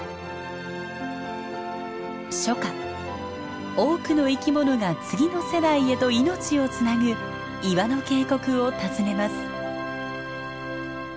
初夏多くの生き物が次の世代へと命をつなぐ岩の渓谷を訪ねます。